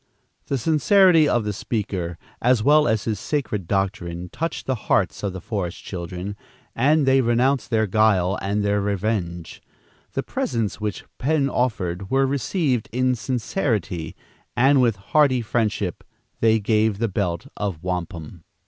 The sincerity of the speaker, as well as his sacred doctrine, touched the hearts of the forest children, and they renounced their guile and their revenge. The presents which Penn offered were received in sincerity, and with hearty friendship they gave the belt of wampum.